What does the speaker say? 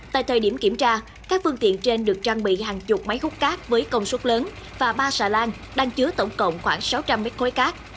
tại thời điểm kiểm tra các phương tiện trên được trang bị hàng chục máy hút cát với công suất lớn và ba xà lan đang chứa tổng cộng khoảng sáu trăm linh mét khối cát